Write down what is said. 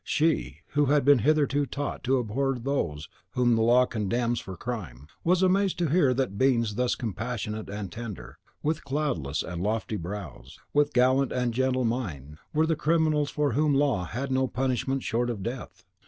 She, who had hitherto been taught to abhor those whom Law condemns for crime, was amazed to hear that beings thus compassionate and tender, with cloudless and lofty brows, with gallant and gentle mien, were criminals for whom Law had no punishment short of death.